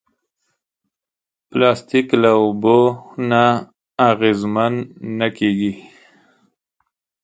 پلاستيک له اوبو نه اغېزمن نه کېږي.